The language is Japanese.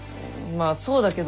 まあそうだけど。